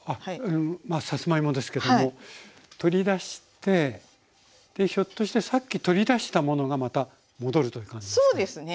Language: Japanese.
まあさつまいもですけども取り出してでひょっとしてさっき取り出したものがまた戻るという感じなんですかね。